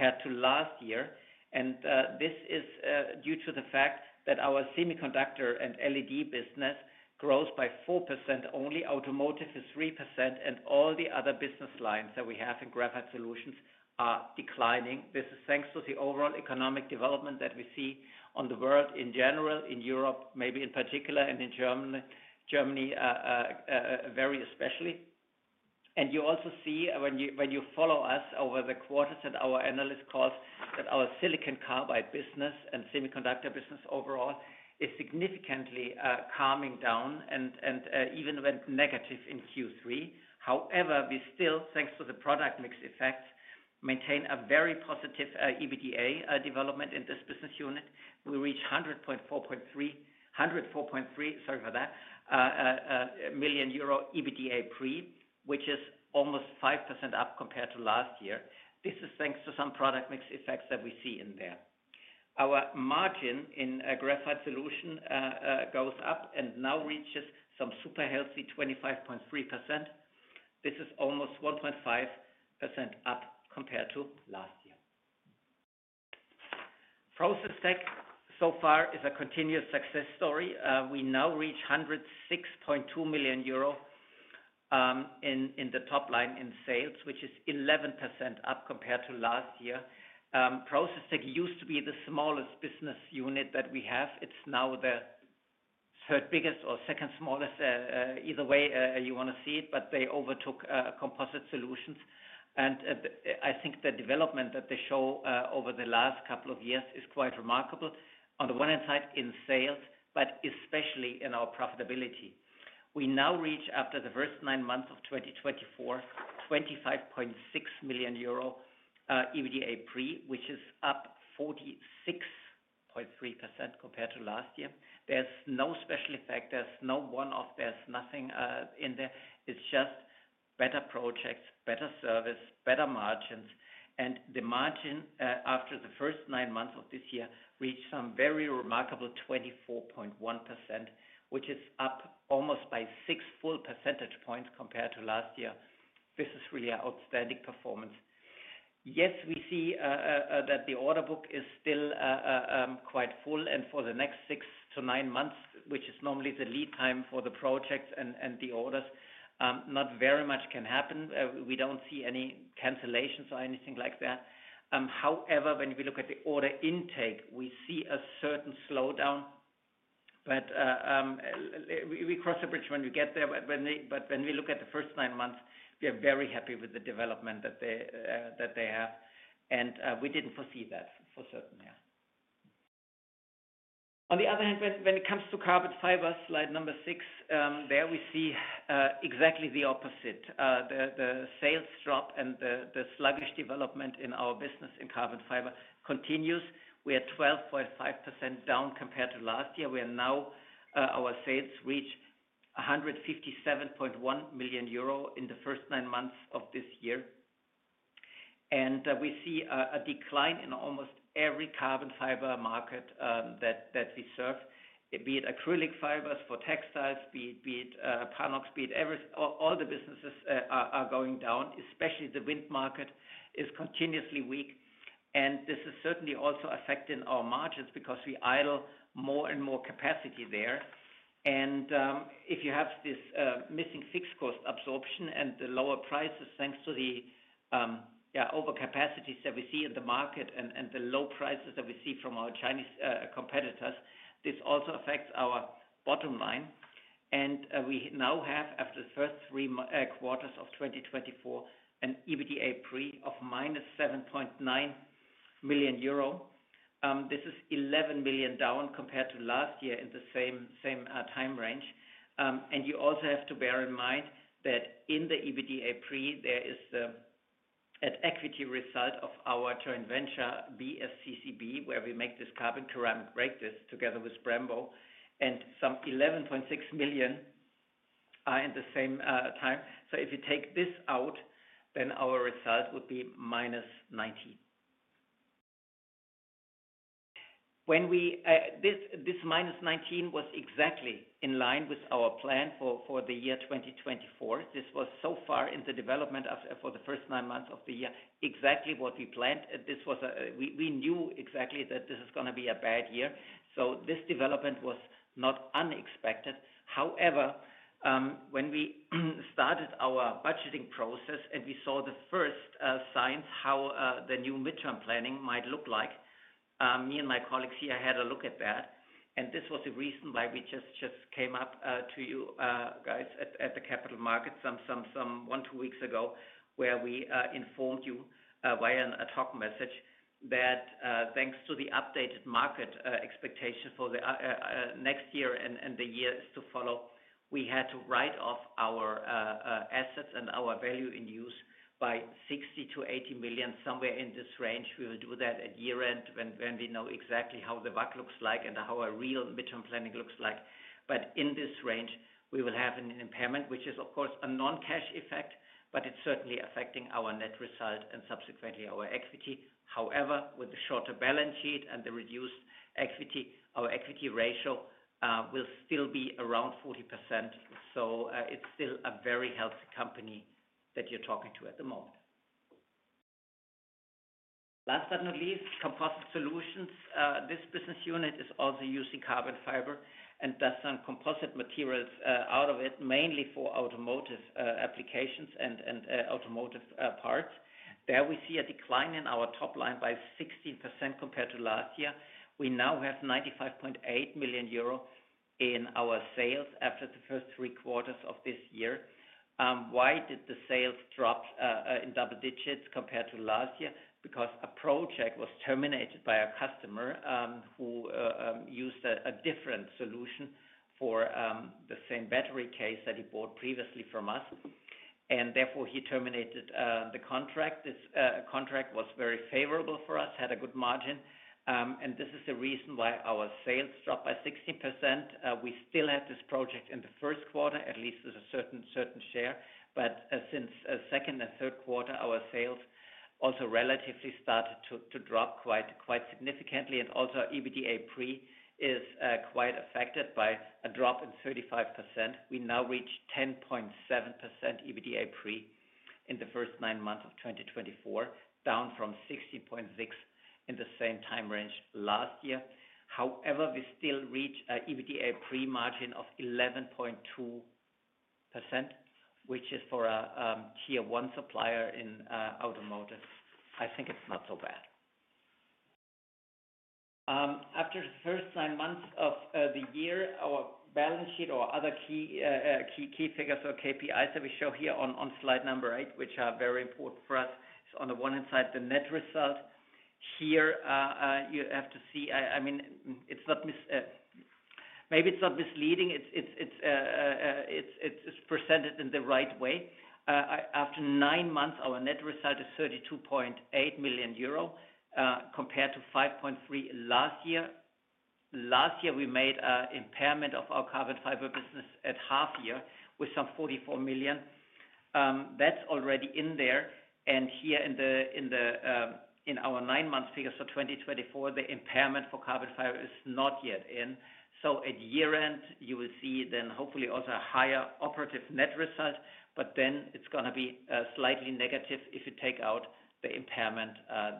Compared to last year. And this is due to the fact that our semiconductor and LED business grows by 4% only, automotive is 3%, and all the other business lines that we have in Graphite Solutions are declining. This is thanks to the overall economic development that we see in the world in general, in Europe maybe in particular, and in Germany very especially. And you also see when you follow us over the quarters at our analyst calls that our silicon carbide business and semiconductor business overall is significantly coming down and even went negative in Q3. However, we still, thanks to the product mix effects, maintain a very positive EBITDA development in this business unit. We reached 104.3, sorry for that, 104.3 million euro EBITDA pre, which is almost 5% up compared to last year. This is thanks to some product mix effects that we see in there. Our margin in Graphite Solutions goes up and now reaches some super healthy 25.3%. This is almost 1.5% up compared to last year. Process Tech so far is a continuous success story. We now reach 106.2 million euro in the top line in sales, which is 11% up compared to last year. Process Tech used to be the smallest business unit that we have. It's now the third biggest or second smallest, either way, you wanna see it, but they overtook Composite Solutions. And I think the development that they show over the last couple of years is quite remarkable on the one hand side in sales, but especially in our profitability. We now reach after the first nine months of 2024, 25.6 million euro EBITDA pre, which is up 46.3% compared to last year. There's no special effect. There's no one-off. There's nothing in there. It's just better projects, better service, better margins. The margin after the first nine months of this year reached some very remarkable 24.1%, which is up almost by six full percentage points compared to last year. This is really an outstanding performance. Yes, we see that the order book is still quite full. For the next six to nine months, which is normally the lead time for the projects and the orders, not very much can happen. We don't see any cancellations or anything like that. However, when we look at the order intake, we see a certain slowdown. But we cross a bridge when we get there. When we look at the first nine months, we are very happy with the development that they have. We didn't foresee that for certain, yeah. On the other hand, when it comes to carbon fiber, slide number six, there we see exactly the opposite. The sales drop and the sluggish development in our business in carbon fiber continues. We are 12.5% down compared to last year. Our sales now reach 157.1 million euro in the first nine months of this year. We see a decline in almost every carbon fiber market that we serve, be it acrylic fibers for textiles, be it panels, be it every, all the businesses are going down, especially the wind market is continuously weak. This is certainly also affecting our margins because we idle more and more capacity there. If you have this missing fixed cost absorption and the lower prices thanks to the overcapacities that we see in the market and the low prices that we see from our Chinese competitors, this also affects our bottom line. We now have, after the first three quarters of 2024, an EBITDA pre of -7.9 million euro. This is 11 million down compared to last year in the same time range. You also have to bear in mind that in the EBITDA pre, there is the equity result of our joint venture, BSCCB, where we make this carbon ceramic brake disc together with Brembo, and some 11.6 million are in the same time. If you take this out, then our result would be -EUR 19 million. When this minus 19 was exactly in line with our plan for the year 2024. This was so far in the development for the first nine months of the year exactly what we planned. We knew exactly that this is gonna be a bad year, so this development was not unexpected. However, when we started our budgeting process and we saw the first signs how the new midterm planning might look like, me and my colleagues here had a look at that. This was the reason why we just came up to you guys at the capital market one or two weeks ago where we informed you via a ad hoc message that, thanks to the updated market expectation for the next year and the years to follow, we had to write off our assets and our value in use by 60 million-80 million, somewhere in this range. We will do that at year-end when we know exactly how the WACC looks like and how a real midterm planning looks like. But in this range, we will have an impairment, which is, of course, a non-cash effect, but it's certainly affecting our net result and subsequently our equity. However, with the shorter balance sheet and the reduced equity, our equity ratio will still be around 40%. It's still a very healthy company that you're talking to at the moment. Last but not least, Composite Solutions, this business unit is also using carbon fiber and does some composite materials out of it, mainly for automotive applications and automotive parts. There we see a decline in our top line by 16% compared to last year. We now have 95.8 million euro in our sales after the first three quarters of this year. Why did the sales drop in double digits compared to last year? Because a project was terminated by a customer who used a different solution for the same battery case that he bought previously from us. And therefore he terminated the contract. This contract was very favorable for us, had a good margin. This is the reason why our sales dropped by 16%. We still had this project in the first quarter, at least with a certain share. But since second and third quarter, our sales also relatively started to drop quite significantly. And also EBITDA pre is quite affected by a drop in 35%. We now reach 10.7% EBITDA pre in the first nine months of 2024, down from 16.6% in the same time range last year. However, we still reach a EBITDA pre margin of 11.2%, which is for a Tier 1 supplier in automotive. I think it's not so bad. After the first nine months of the year, our balance sheet or other key figures or KPIs that we show here on slide number eight, which are very important for us, is on the one hand side the net result here. You have to see, I mean, it's not misleading. It's presented in the right way. After nine months, our net result is 32.8 million euro, compared to 5.3 last year. Last year, we made an impairment of our carbon fiber business at half year with some 44 million. That's already in there. Here in our nine months figures for 2024, the impairment for carbon fiber is not yet in. So at year end, you will see then hopefully also a higher operative net result, but then it's gonna be slightly negative if you take out the impairment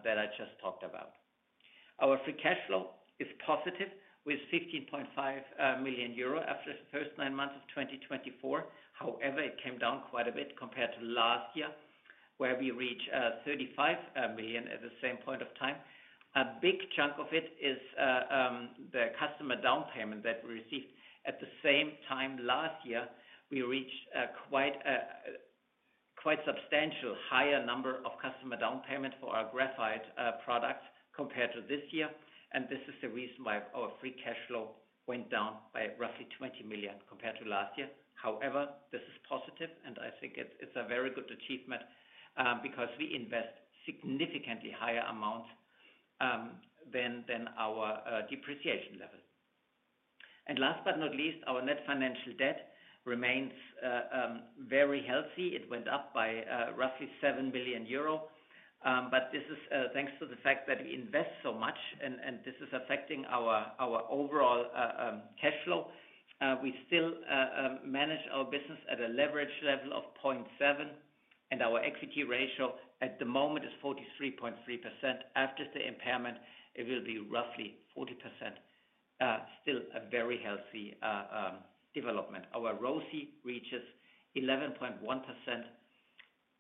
that I just talked about. Our free cash flow is positive with 15.5 million euro after the first nine months of 2024. However, it came down quite a bit compared to last year, where we reached 35 million EUR at the same point of time. A big chunk of it is the customer down payment that we received at the same time last year. We reached quite substantial higher number of customer down payment for our graphite products compared to this year, and this is the reason why our free cash flow went down by roughly 20 million EUR compared to last year. However, this is positive, and I think it's a very good achievement, because we invest significantly higher amounts than our depreciation level, and last but not least, our net financial debt remains very healthy. It went up by roughly 7 million euro, but this is thanks to the fact that we invest so much, and this is affecting our overall cash flow. We still manage our business at a leverage level of 0.7, and our equity ratio at the moment is 43.3%. After the impairment, it will be roughly 40%. Still a very healthy development. Our ROCE reaches 11.1%.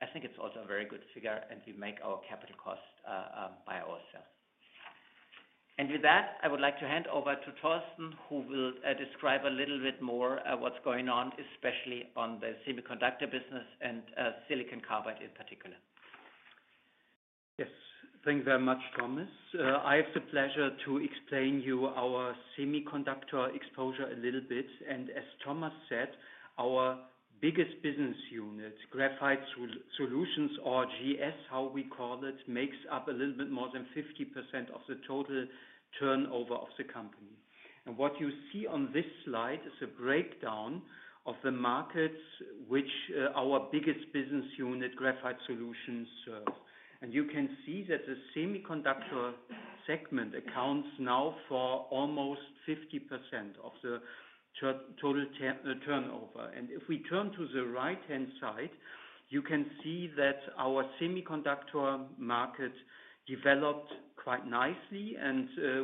I think it's also a very good figure, and we make our capital cost by ourselves. And with that, I would like to hand over to Torsten, who will describe a little bit more what's going on, especially on the semiconductor business and silicon carbide in particular. Yes. Thanks very much, Thomas. I have the pleasure to explain to you our semiconductor exposure a little bit. And as Thomas said, our biggest business unit, Graphite Solutions or GS, how we call it, makes up a little bit more than 50% of the total turnover of the company. What you see on this slide is a breakdown of the markets which our biggest business unit, Graphite Solutions, serve. You can see that the semiconductor segment accounts now for almost 50% of the total turnover. If we turn to the right-hand side, you can see that our semiconductor market developed quite nicely.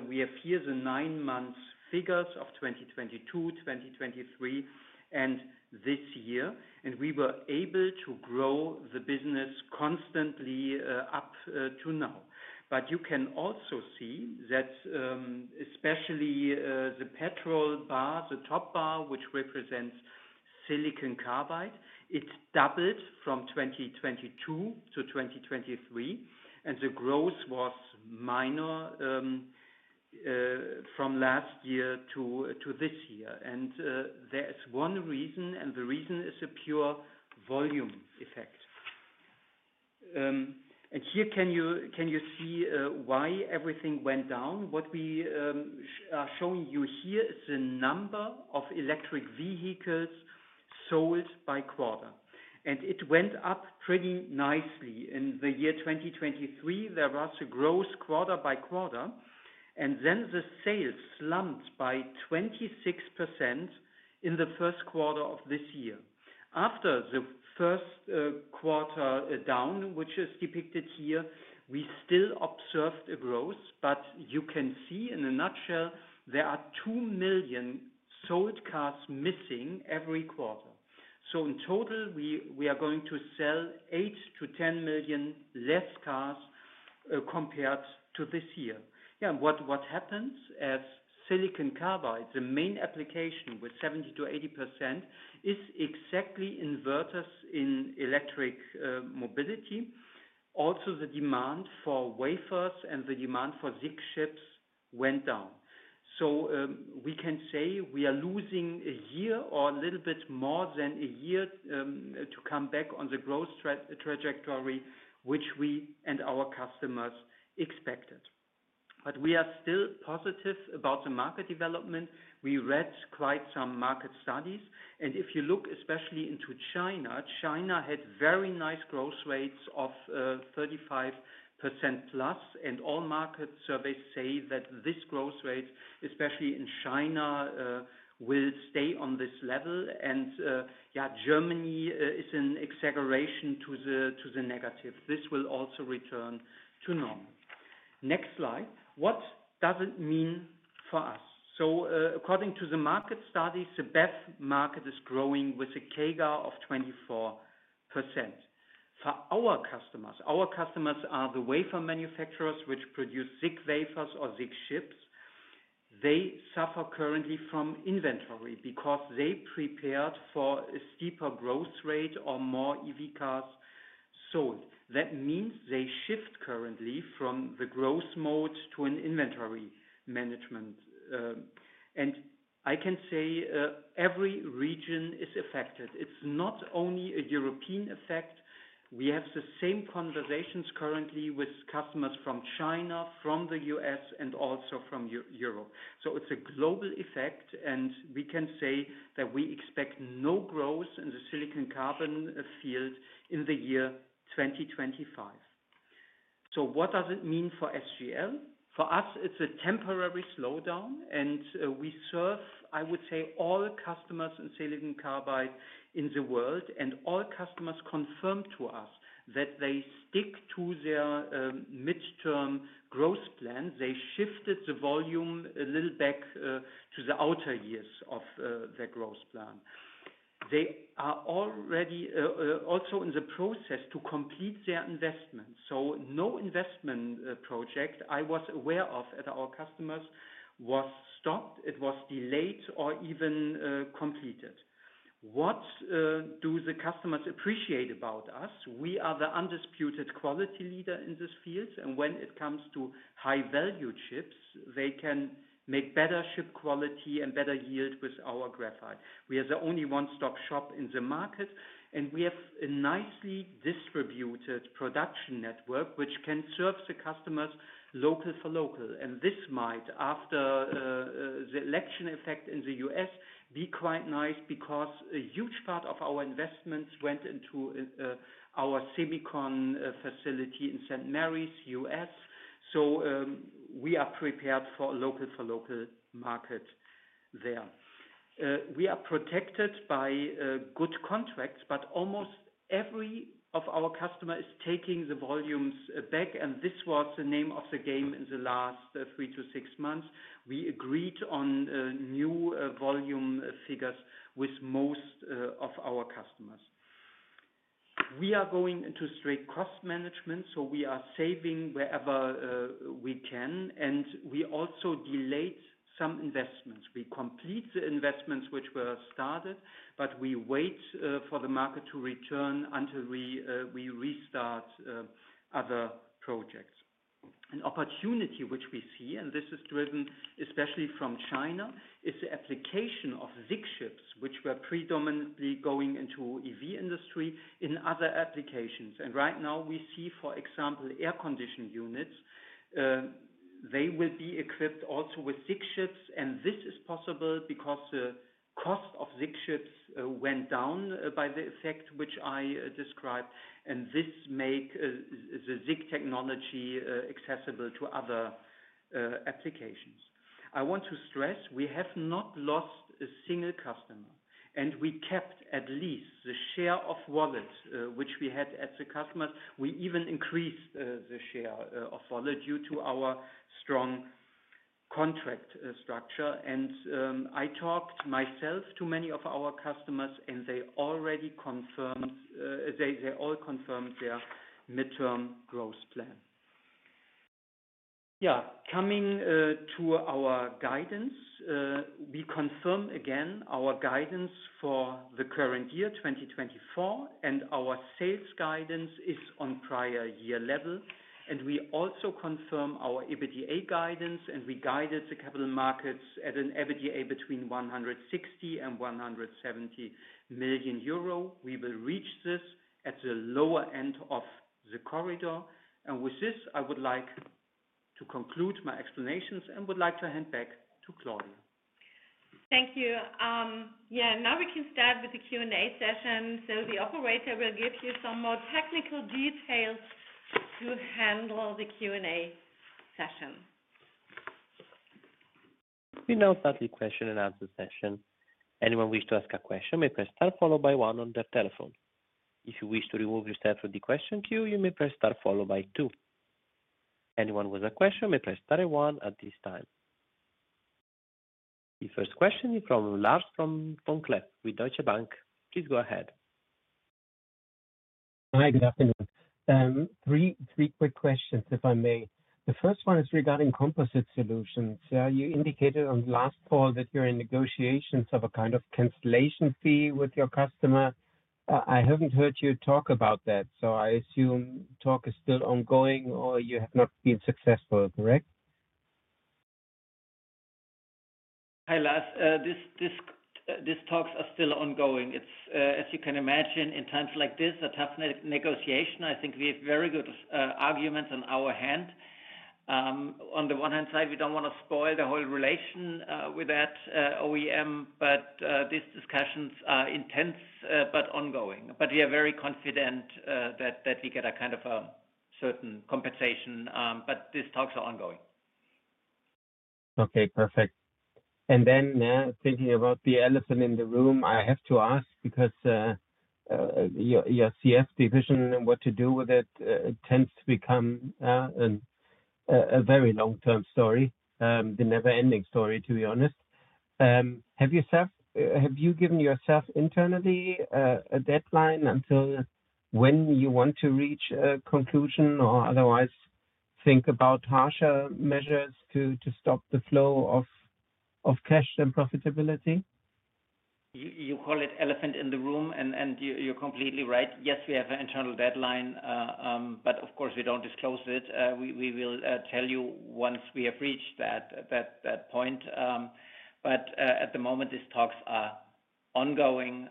We have here the nine months figures of 2022, 2023, and this year. We were able to grow the business constantly up to now. But you can also see that especially the top bar, which represents silicon carbide, it doubled from 2022 to 2023. The growth was minor from last year to this year. There is one reason, and the reason is a pure volume effect. Here can you see why everything went down? What we are showing you here is the number of electric vehicles sold by quarter. And it went up pretty nicely. In the year 2023, there was a growth quarter by quarter, and then the sales slumped by 26% in the first quarter of this year. After the first quarter down, which is depicted here, we still observed a growth. But you can see in a nutshell, there are two million sold cars missing every quarter. So in total, we are going to sell 8 to 10 million less cars, compared to this year. Yeah. And what happens as silicon carbide, the main application with 70-80%, is exactly inverters in electric mobility. Also, the demand for SiC wafers and the demand for SiC chips went down. So, we can say we are losing a year or a little bit more than a year, to come back on the growth trajectory, which we and our customers expected. But we are still positive about the market development. We read quite some market studies. And if you look especially into China, China had very nice growth rates of 35% plus. And all market surveys say that this growth rate, especially in China, will stay on this level. And, yeah, Germany is an exaggeration to the negative. This will also return to normal. Next slide. What does it mean for us? So, according to the market studies, the BEV market is growing with a CAGR of 24%. For our customers, our customers are the wafer manufacturers which produce SiC wafers or SiC chips. They suffer currently from inventory because they prepared for a steeper growth rate or more EV cars sold. That means they shift currently from the growth mode to an inventory management, and I can say every region is affected. It's not only a European effect. We have the same conversations currently with customers from China, from the US, and also from Europe. So it's a global effect, and we can say that we expect no growth in the silicon carbide field in the year 2025, so what does it mean for SGL? For us, it's a temporary slowdown, and we serve, I would say, all customers in silicon carbide in the world, and all customers confirmed to us that they stick to their midterm growth plan. They shifted the volume a little back to the outer years of their growth plan. They are already also in the process to complete their investment. So no investment project I was aware of at our customers was stopped. It was delayed or even completed. What do the customers appreciate about us? We are the undisputed quality leader in this field. And when it comes to high-value chips, they can make better chip quality and better yield with our graphite. We are the only one-stop shop in the market, and we have a nicely distributed production network, which can serve the customers local for local. And this might after the election effect in the US be quite nice because a huge part of our investments went into our Semicon facility in St. Marys, US. So we are prepared for local for local market there. We are protected by good contracts, but almost every of our customers is taking the volumes back. This was the name of the game in the last three to six months. We agreed on new volume figures with most of our customers. We are going into straight cost management, so we are saving wherever we can. We also delayed some investments. We complete the investments which were started, but we wait for the market to return until we restart other projects. An opportunity which we see, and this is driven especially from China, is the application of SiC chips, which were predominantly going into EV industry in other applications. Right now we see, for example, air conditioning units, they will be equipped also with SiC chips. This is possible because the cost of SiC chips went down by the effect which I described. This makes the SiC technology accessible to other applications. I want to stress we have not lost a single customer, and we kept at least the share of wallet, which we had at the customers. We even increased the share of wallet due to our strong contract structure, and I talked to many of our customers myself, and they already confirmed, they all confirmed their midterm growth plan. Yeah. Coming to our guidance, we confirm again our guidance for the current year, 2024, and our sales guidance is on prior year level, and we also confirm our EBITDA guidance, and we guided the capital markets at an EBITDA between 160 million and 170 million euro. We will reach this at the lower end of the corridor, and with this, I would like to conclude my explanations and would like to hand back to Claudia. Thank you. Yeah, now we can start with the Q&A session. The operator will give you some more technical details to handle the Q&A session. We now start the question and answer session. Anyone wish to ask a question may press star followed by one on their telephone. If you wish to remove yourself from the question queue, you may press star followed by two. Anyone with a question may press star one at this time. The first question is from Lars vom Cleff with Deutsche Bank. Please go ahead. Hi, good afternoon. Three, three quick questions if I may. The first one is regarding composite solutions. You indicated on the last call that you're in negotiations of a kind of cancellation fee with your customer. I haven't heard you talk about that, so I assume talk is still ongoing or you have not been successful, correct? Hi, Lars. These talks are still ongoing. It's, as you can imagine, in times like this, a tough negotiation. I think we have very good arguments on our hand. On the one hand side, we don't wanna spoil the whole relation with that OEM, but these discussions are intense but ongoing. We are very confident that we get a kind of a certain compensation, but these talks are ongoing. Okay. Perfect, and then thinking about the elephant in the room, I have to ask because your CF division and what to do with it tends to become a very long-term story, the never-ending story, to be honest. Have you given yourself internally a deadline until when you want to reach a conclusion or otherwise think about harsher measures to stop the flow of cash and profitability? You call it elephant in the room, and you are completely right. Yes, we have an internal deadline, but of course we don't disclose it. We will tell you once we have reached that point. But at the moment, these talks are ongoing.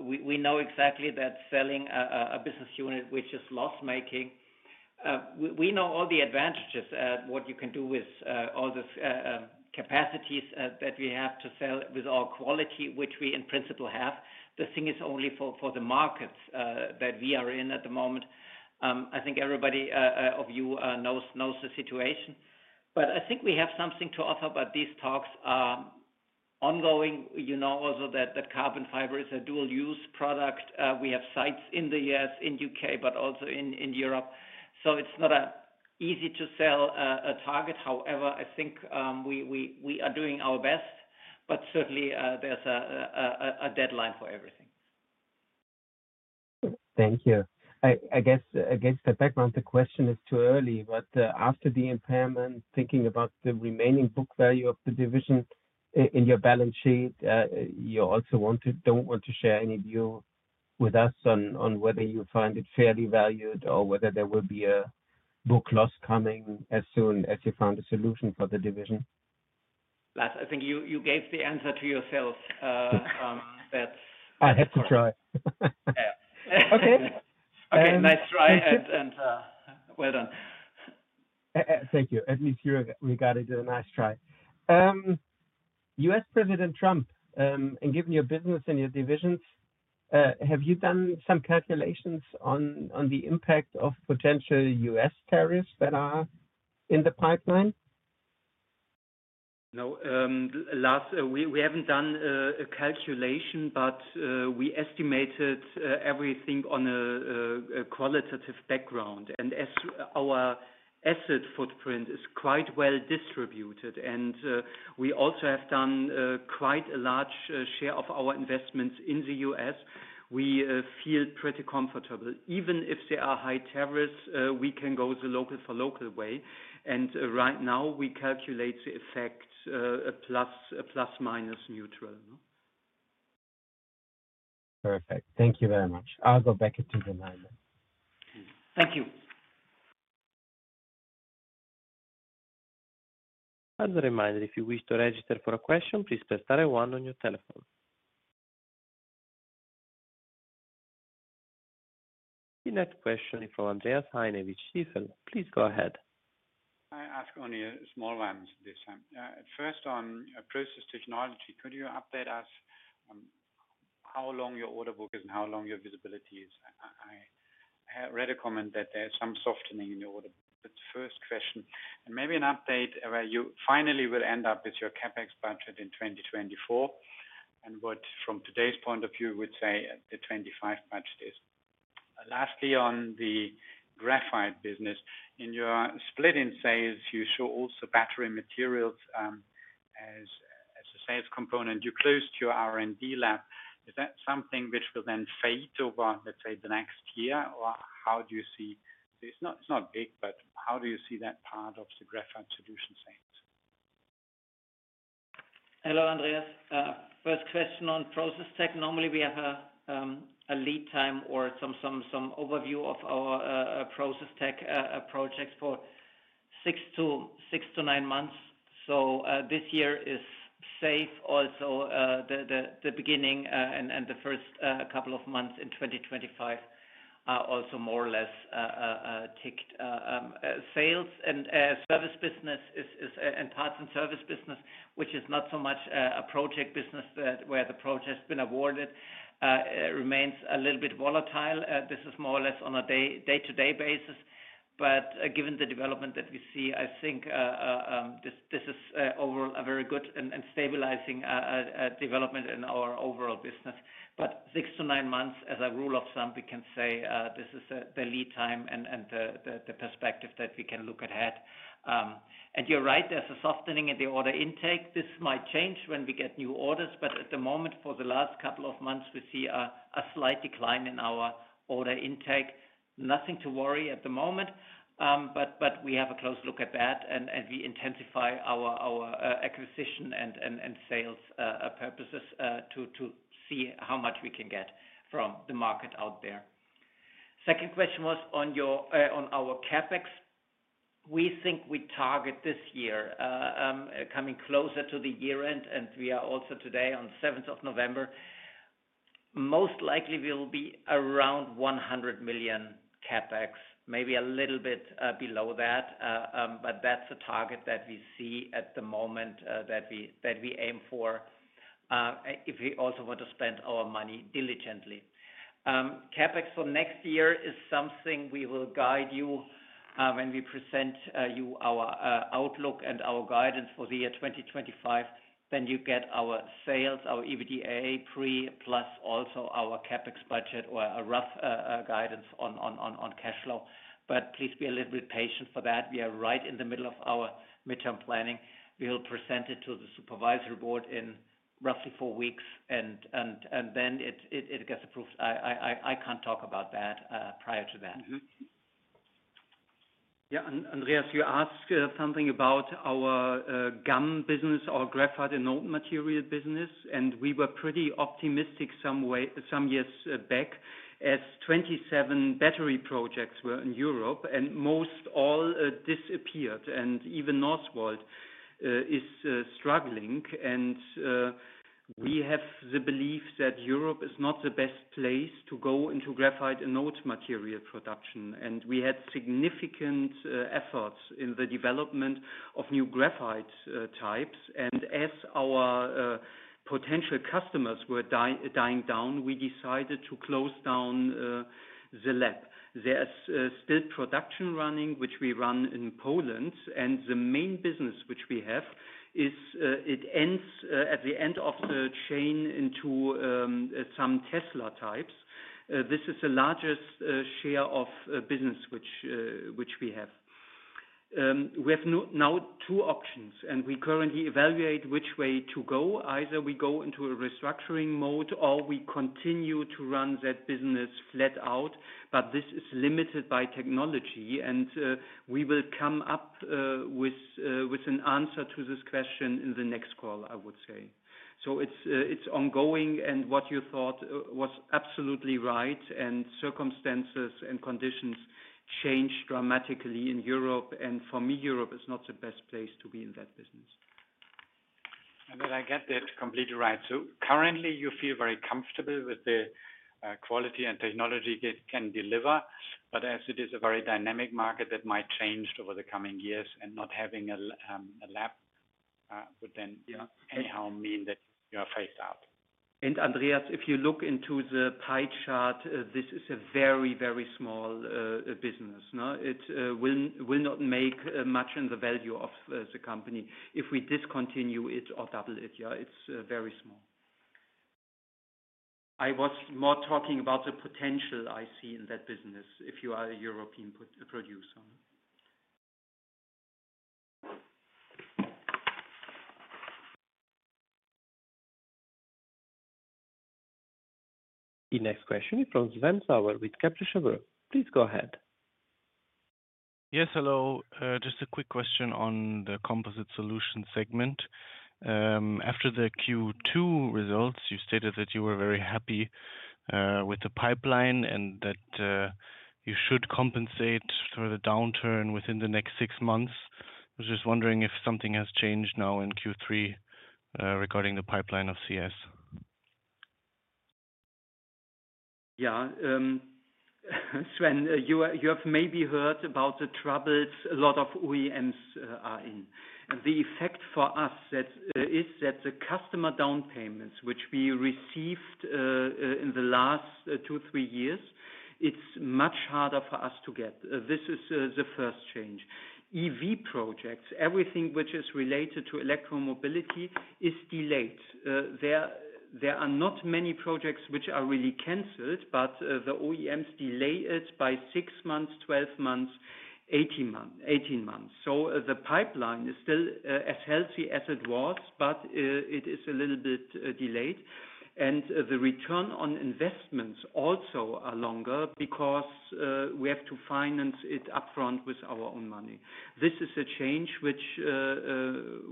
We know exactly that selling a business unit which is loss-making. We know all the advantages, what you can do with all this capacities that we have to sell with our quality, which we in principle have. The thing is only for the markets that we are in at the moment. I think everybody of you knows the situation. But I think we have something to offer, but these talks are ongoing. You know also that carbon fiber is a dual-use product. We have sites in the U.S., U.K., but also in Europe. So it's not an easy-to-sell target. However, I think we are doing our best, but certainly there's a deadline for everything. Thank you. I guess the background, the question is too early, but after the impairment, thinking about the remaining book value of the division in your balance sheet, you also don't want to share any view with us on whether you find it fairly valued or whether there will be a book loss coming as soon as you find a solution for the division. Lars, I think you gave the answer to yourself. That's, I have to try. Yeah. Okay. Nice try. And well done. Thank you. At least you regarded it as a nice try. U.S. President Trump, and given your business and your divisions, have you done some calculations on the impact of potential U.S. tariffs that are in the pipeline? No. Lars, we haven't done a calculation, but we estimated everything on a qualitative background, and as our asset footprint is quite well distributed and we also have done quite a large share of our investments in the U.S., we feel pretty comfortable. Even if there are high tariffs, we can go the local for local way, and right now we calculate the effect a plus, a plus-minus neutral. Perfect. Thank you very much. I'll go back to the line. Thank you. As a reminder, if you wish to register for a question, please press star one on your telephone. The next question is from Andreas Heine. Please go ahead. I ask only a small one this time. First on process technology. Could you update us how long your order book is and how long your visibility is? I read a comment that there's some softening in your order. But the first question, and maybe an update where you finally will end up with your CapEx budget in 2024 and what, from today's point of view, would say the 2025 budget is. Lastly, on the graphite business, in your splitting sales, you show also battery materials, as a sales component. You closed your R&D lab. Is that something which will then fade over, let's say, the next year, or how do you see? It's not big, but how do you see that part of the Graphite Solutions sales? Hello, Andreas. First question on process tech. Normally we have a lead time or some overview of our process tech projects for six to nine months. So this year is safe. Also the beginning and the first couple of months in 2025 are also more or less ticked. Sales and service business is and parts and service business, which is not so much a project business that where the project's been awarded, remains a little bit volatile. This is more or less on a day-to-day basis, but given the development that we see, I think this is overall a very good and stabilizing development in our overall business. But six to nine months, as a rule of thumb, we can say this is the lead time and the perspective that we can look ahead, and you're right. There's a softening in the order intake. This might change when we get new orders. But at the moment, for the last couple of months, we see a slight decline in our order intake. Nothing to worry about at the moment. But we have a close look at that, and we intensify our acquisition and sales efforts to see how much we can get from the market out there. Second question was on our CapEx. We think we target this year, coming closer to the year end, and we are also today on the 7th of November, most likely we'll be around 100 million CapEx, maybe a little bit below that. But that's a target that we see at the moment that we aim for, if we also want to spend our money diligently. CapEx for next year is something we will guide you when we present you our outlook and our guidance for the year 2025. Then you get our sales, our EBITDA pre, plus also our CapEx budget or a rough guidance on cash flow. But please be a little bit patient for that. We are right in the middle of our midterm planning. We'll present it to the supervisory board in roughly four weeks, and then it gets approved. I can't talk about that prior to that. Mm-hmm. Yeah. And Andreas, you asked something about our GAM business, our graphite anode material business. And we were pretty optimistic some years back as 27 battery projects were in Europe and most all disappeared. And even Northvolt is struggling. We have the belief that Europe is not the best place to go into graphite and anode material production. We had significant efforts in the development of new graphite types. As our potential customers were dying down, we decided to close down the lab. There's still production running, which we run in Poland. The main business which we have is. It ends at the end of the chain into some Tesla types. This is the largest share of business which we have. We now have two options, and we currently evaluate which way to go. Either we go into a restructuring mode or we continue to run that business flat out. This is limited by technology. We will come up with an answer to this question in the next call, I would say. It's ongoing. And what you thought was absolutely right. And circumstances and conditions changed dramatically in Europe. And for me, Europe is not the best place to be in that business. And then I get that completely right. So currently you feel very comfortable with the quality and technology that can deliver. But as it is a very dynamic market that might change over the coming years and not having a lab would then anyhow mean that you are phased out. And Andreas, if you look into the pie chart, this is a very, very small business. No, it will not make much in the value of the company. If we discontinue it or double it, yeah, it's very small. I was more talking about the potential I see in that business if you are a European producer. The next question is from Sven Sauer with Kepler Cheuvreux. Please go ahead. Yes. Hello. Just a quick question on the Composite Solutions segment. After the Q2 results, you stated that you were very happy with the pipeline and that you should compensate for the downturn within the next six months. I was just wondering if something has changed now in Q3 regarding the pipeline of CS. Yeah. Sven, you have maybe heard about the troubles a lot of OEMs are in. And the effect for us is that the customer down payments which we received in the last two, three years, it's much harder for us to get. This is the first change. EV projects, everything which is related to electromobility is delayed. There are not many projects which are really canceled, but the OEMs delay it by six months, 12 months, 18 months. The pipeline is still as healthy as it was, but it is a little bit delayed. And the return on investments also are longer because we have to finance it upfront with our own money. This is a change which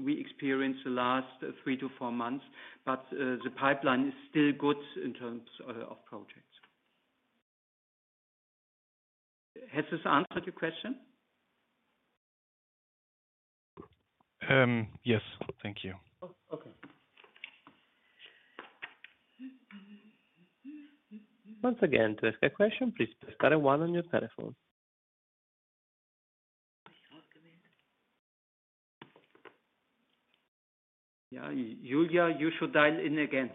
we experienced the last three to four months, but the pipeline is still good in terms of projects. Has this answered your question? Yes. Thank you. Oh, okay. Once again, to ask a question, please press star one on your telephone. Yeah. Yulia, you should dial in again.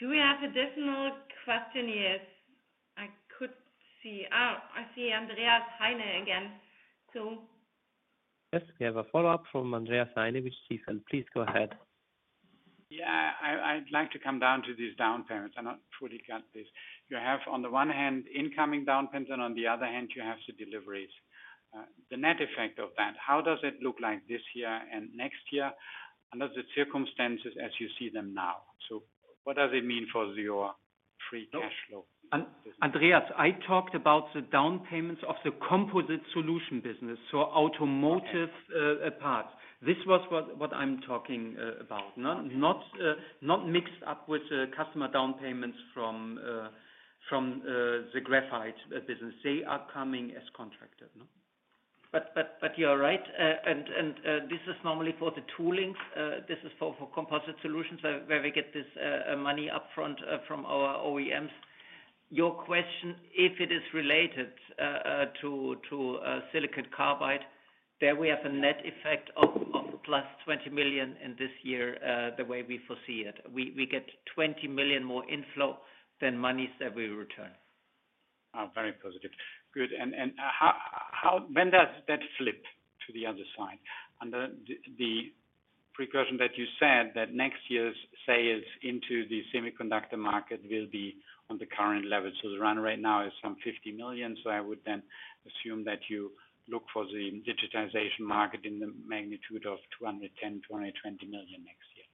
Do we have additional questions? I could see, oh, I see Andreas Heine again. So. Yes. We have a follow-up from Andreas Heine, which is, and please go ahead. Yeah. I'd like to come down to these down payments. I'm not fully got this. You have on the one hand incoming down payments, and on the other hand you have the deliveries. The net effect of that, how does it look like this year and next year under the circumstances as you see them now? So what does it mean for your free cash flow? And Andreas, I talked about the down payments of the Composite Solutions business. So automotive, parts. This was what I'm talking about. No, not mixed up with customer down payments from the graphite business. They are coming as contracted. But you're right, and this is normally for the toolings. This is for Composite Solutions where we get this money upfront from our OEMs. Your question, if it is related to silicon carbide, there we have a net effect of plus 20 million in this year, the way we foresee it. We get 20 million more inflow than monies that we return. Oh, very positive. Good. And how, when does that flip to the other side? And the projection that you said that next year's sales into the semiconductor market will be on the current level. So the run rate right now is some 50 million. So I would then assume that you look for the semiconductor market in the magnitude of 210-220 million next year.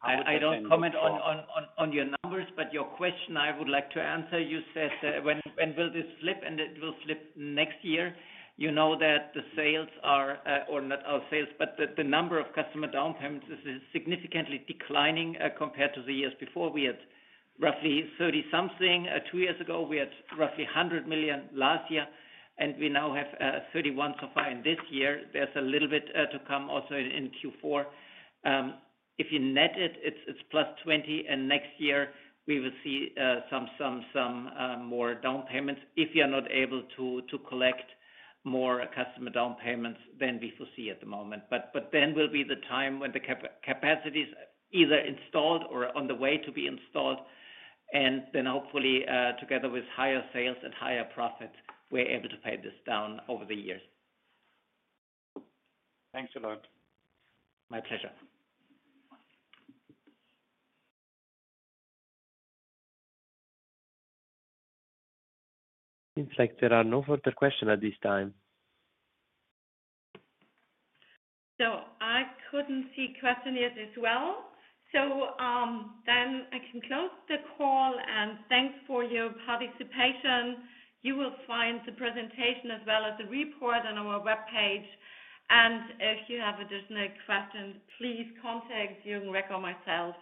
I don't comment on your numbers, but your question I would like to answer. You said, when will this flip? And it will flip next year. You know that the sales are, or not our sales, but the number of customer down payments is significantly declining, compared to the years before. We had roughly 30 something two years ago. We had roughly 100 million last year, and we now have 31 so far in this year. There's a little bit to come also in Q4. If you net it, it's plus 20. And next year we will see some more down payments. If you're not able to collect more customer down payments than we foresee at the moment. But then will be the time when the capacity's either installed or on the way to be installed. And then hopefully, together with higher sales and higher profits, we're able to pay this down over the years. Thanks a lot. My pleasure. Seems like there are no further questions at this time. So I couldn't see questions as well. So, then I can close the call. And thanks for your participation. You will find the presentation as well as the report on our webpage. And if you have additional questions, please contact Jürgen Reck or myself.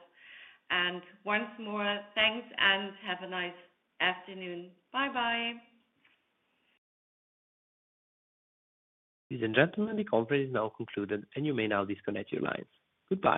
And once more, thanks and have a nice afternoon. Bye-bye. Ladies and gentlemen, the conference is now concluded, and you may now disconnect your lines. Goodbye.